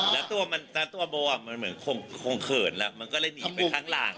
แล้วตัวโบมันเหมือนคงเขินแล้วมันก็เลยหนีไปข้างหลัง